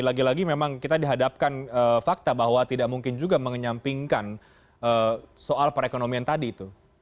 lagi lagi memang kita dihadapkan fakta bahwa tidak mungkin juga menyampingkan soal perekonomian tadi itu